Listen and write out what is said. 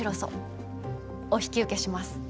お引き受けします。